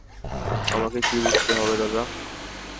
আমাকে কী বুঝতে হবে দাদা?